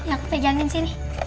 aku pegangin sini